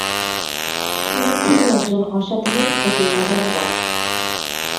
তিনি ছিলেন একজন অসাধারণ প্রতিভাবান বক্তা।